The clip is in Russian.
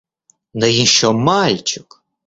Да еще мальчик!